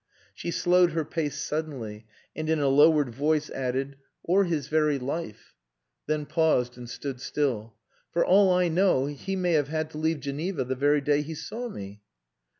She slowed her pace suddenly, and in a lowered voice added "Or his very life" then paused and stood still "For all I know, he may have had to leave Geneva the very day he saw me."